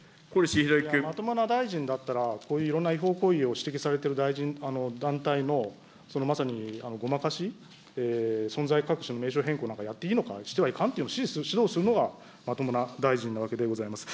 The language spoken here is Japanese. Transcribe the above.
まともな大臣だったら、こういういろんな違法行為を指摘されてる団体のまさにごまかし、存在隠しの名称変更なんかやっていいのか、してはいかんと指示、指導するのがまともな大臣なわけでございます。